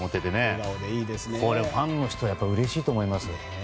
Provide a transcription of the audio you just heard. これ、ファンの人はうれしいと思いますよ。